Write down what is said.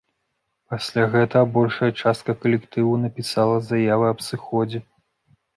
Пасля гэтага большая частка калектыву напісала заявы аб сыходзе.